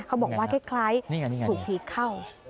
เขาบอกว่าคล้ายถูกผีเข้า